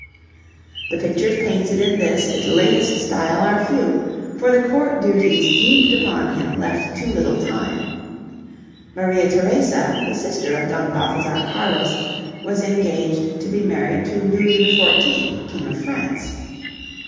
The pictures painted in this his latest style are few, for the court duties heaped upon him left too little time. Maria Theresa, the sister of Don Balthazar Carlos, was engaged to be married to Louis XIV., King of France.